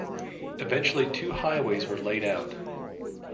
Eventually two highways were laid out.